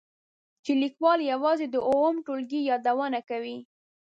چې لیکوال یوازې د اووم ټولګي یادونه کوي.